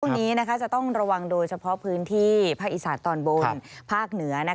ช่วงนี้จะต้องระวังโดยเฉพาะพื้นที่ภาคอีสานตอนบนภาคเหนือ